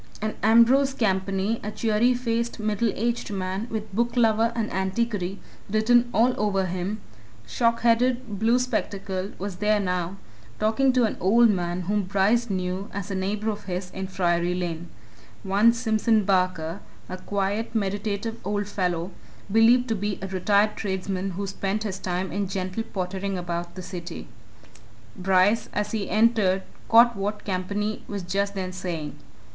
And Ambrose Campany, a cheery faced, middle aged man, with booklover and antiquary written all over him, shockheaded, blue spectacled, was there now, talking to an old man whom Bryce knew as a neighbour of his in Friary Lane one Simpson Barker, a quiet, meditative old fellow, believed to be a retired tradesman who spent his time in gentle pottering about the city. Bryce, as he entered, caught what Campany was just then saying.